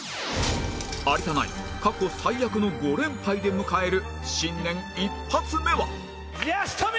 有田ナイン過去最悪の５連敗で迎える新年一発目は